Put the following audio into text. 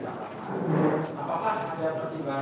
apakah ada pertimbangan